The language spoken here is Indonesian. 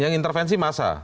yang intervensi masa